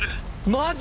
マジ！？